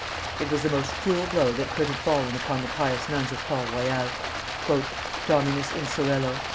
It was the most cruel blow that could have fallen upon the pious nuns of Port Royal. "_Dominus in coelo!